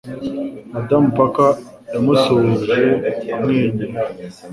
Madamu Parker yamusuhuje amwenyura.